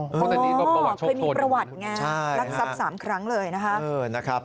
อ๋อเพื่อมีประวัติงานรักทรัพย์๓ครั้งเลยนะครับนะครับ